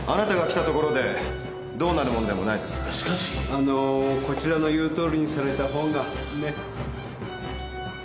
あのーこちらの言うとおりにされたほうが。ね。